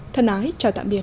thân ái chào tạm biệt